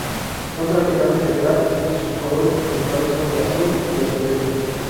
Son traficantes de crack y sus colores principales son el azul y el celeste.